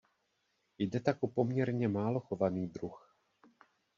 Jde tak o poměrně málo chovaný druh.